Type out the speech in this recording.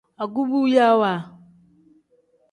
Agubuyaawa.